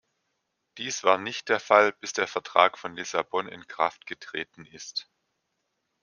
Dies war nicht der Fall, bis der Vertrag von Lissabon in Kraft getreten ist.